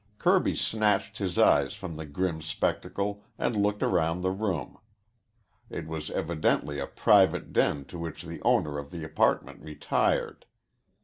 Kirby snatched his eyes from the grim spectacle and looked round the room. It was evidently a private den to which the owner of the apartment retired.